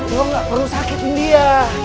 gue gak perlu sakitin dia